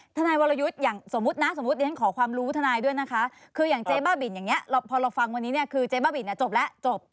ทนายวรยุทธ์อย่างสมมุตินะสมมุติเรียนขอความรู้ทนายด้วยนะคะคืออย่างเจ๊บ้าบินอย่างนี้พอเราฟังวันนี้เนี่ยคือเจ๊บ้าบินจบแล้วจบ